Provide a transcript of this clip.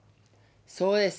そうです。